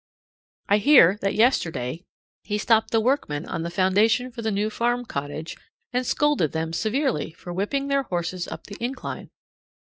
I hear that yesterday he stopped the workmen on the foundation for the new farm cottage and scolded them severely for whipping their horses up the incline!